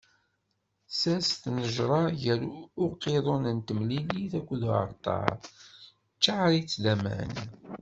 Sers tnejṛa gar uqiḍun n temlilit akked uɛalṭar, ččaṛ-itt d aman.